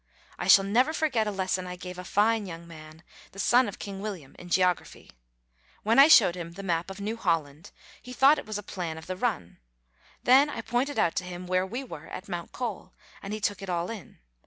I shall never forget a lesson I gave a fine young man, the son of King William, in geography. When I showed him the map of New Holland, he thought it was a plan of the run. Then I pointed out to him where we were at Mount Cole, and he took it all in.